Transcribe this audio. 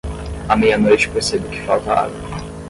À meia-noite percebo que falta água.